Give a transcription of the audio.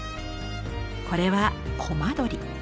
これはコマドリ。